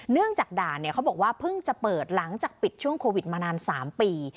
เนื่องจากด่านเขาบอกว่าเพิ่งจะเปิดหลังจากปิดช่วงโควิดมานาน๓ปี